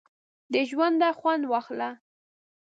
د ژونده خوند واخله!